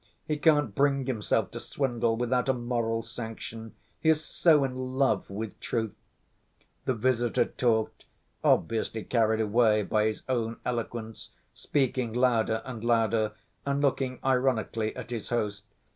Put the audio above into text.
He can't bring himself to swindle without a moral sanction. He is so in love with truth—" The visitor talked, obviously carried away by his own eloquence, speaking louder and louder and looking ironically at his host.